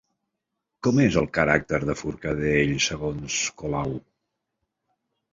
Com és el caràcter de Forcadell segons Colau?